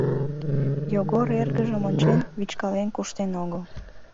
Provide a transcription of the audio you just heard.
Йогор эргыжым ончен, вӱчкален куштен огыл.